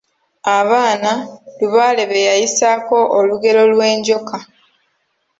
Abaana, Lubaale b'e yayisaako olugero lw'enjoka.